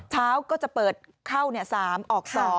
เช้าก็จะเปิดเข้า๓ออก๒